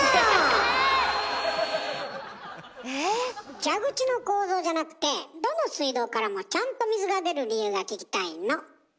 蛇口の構造じゃなくてどの水道からもちゃんと水が出る理由が聞きたいの。